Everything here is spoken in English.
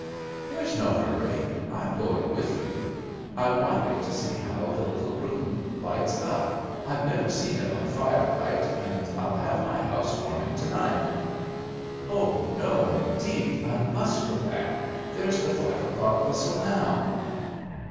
"There is no hurry. I'm going with you. I want you to see how the little room lights up. I've never seen it by firelight, and I'll have my house warming to night!" "Oh no, indeed! I must go back. There's the five o'clock whistle, now!"